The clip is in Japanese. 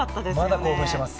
まだ興奮してます。